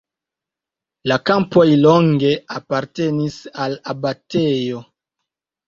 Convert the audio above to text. La kampoj longe apartenis al abatejo.